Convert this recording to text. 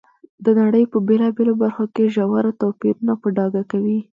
د نړۍ په بېلابېلو برخو کې ژور توپیرونه په ډاګه کوي.